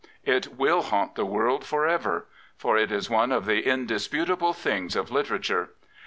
It will haunt the world for ever. For it is one of the indisputable things of literature.